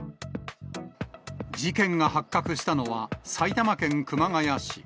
事件が発覚したのは、埼玉県熊谷市。